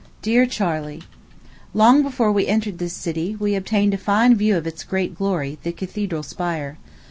DEAR CHARLEY: Long before we entered this city, we obtained a fine view of its great glory, the Cathedral spire.